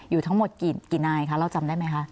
อยู่ทั้งหมดกี่นายคะเราจำได้ไหมคะ